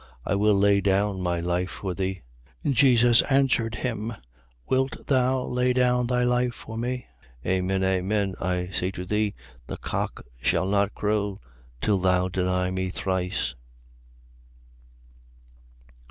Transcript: I will lay down my life for thee. 13:38. Jesus answered him: Wilt thou lay down thy life for me? Amen, amen, I say to thee, the cock shall not crow, till thou deny me thrice.